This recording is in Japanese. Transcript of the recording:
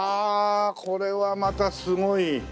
これはまたすごい！